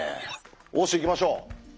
おっしいきましょう。